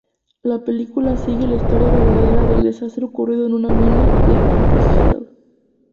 La película sigue la historia verdadera del desastre ocurrido en una mina de "Beaconsfield".